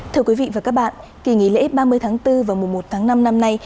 thưa quý vị và các bạn kỳ nghỉ lễ ba mươi tháng bốn và mùa một tháng năm năm nay